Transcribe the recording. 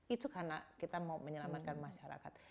itu karena kita mau menyelamatkan masyarakat